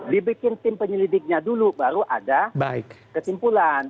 dibikin tim penyelidiknya dulu baru ada kesimpulan